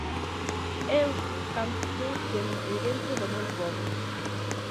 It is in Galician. Eu canto dende dentro do meu pobo.